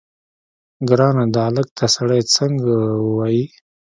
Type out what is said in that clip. ګرانه دا الک ته سړی څنګه ووايي.